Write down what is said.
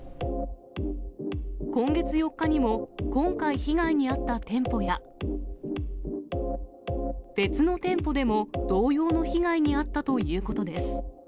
今月４日にも、今回被害に遭った店舗や、別の店舗でも同様の被害に遭ったということです。